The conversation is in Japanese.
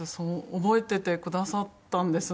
覚えててくださったんですね。